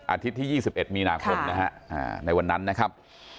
อาร์ทฤษฎี๒๑มี่นาคม